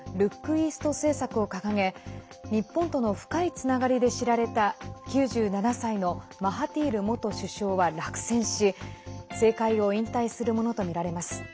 イースト政策を掲げ日本との深いつながりで知られた９７歳のマハティール元首相は落選し政界を引退するものとみられます。